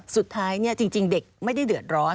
สุดท้ายจริงเด็กไม่ได้เดือดร้อน